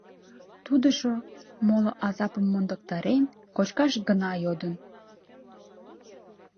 Тудыжо, моло азапым мондыктарен, кочкаш гына йодын.